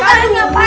keluar gak kalian